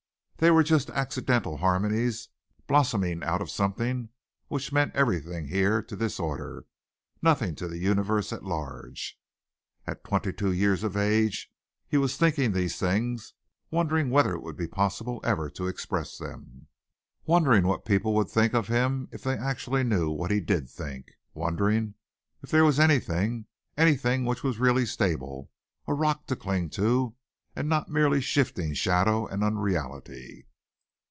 They were just accidental harmonies blossoming out of something which meant everything here to this order, nothing to the universe at large. At twenty two years of age he was thinking these things, wondering whether it would be possible ever to express them; wondering what people would think of him if they actually knew what he did think; wondering if there was anything, anything, which was really stable a rock to cling to and not mere shifting shadow and unreality.